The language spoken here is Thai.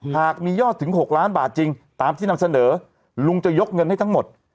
หากมียอดถึง๖ล้านบาทจริงตามที่นำเสนอลุงจะยกเงินให้ทั้งหมด